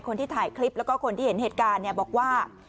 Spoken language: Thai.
คนที่ถ่ายคลิปแล้วก็คนที่เห็นเหตุการณ์บอกว่า